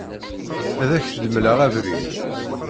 Ad ak-d-mleɣ abrid.